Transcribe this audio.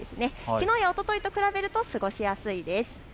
きのうやおとといと比べると過ごしやすいです。